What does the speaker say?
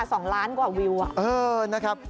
ใช่ค่ะ๒ล้านกว่าวิวอ่ะเออนะครับ